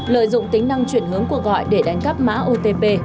lợi dụng tính năng chuyển hướng cuộc gọi để đánh cắp mã otp